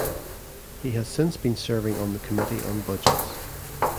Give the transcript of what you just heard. He has since been serving on the Committee on Budgets.